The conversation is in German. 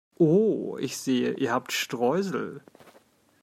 Oh, ich sehe, ihr habt Streusel!